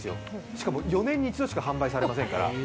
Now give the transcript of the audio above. しかも４年に一度しか販売されませんから。